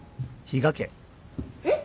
えっ？